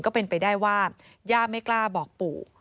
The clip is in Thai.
ก็เป็นไปได้ว่าย่าไม่กล้าบอกปู่